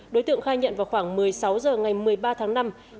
đối tượng khai nhận vào khoảng một mươi sáu h ngày một mươi ba tháng năm